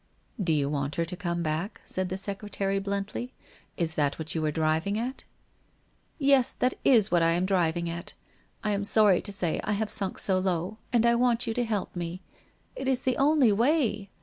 1 Do you want her to come back ?' said the secretary bluntly. ' Is that what you are driving at ?' 1 Yes, that is what I am driving at. I am sorry to say I have sunk so low, and I want you to help me. It is the only way.